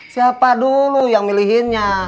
siapa dulu yang milihinya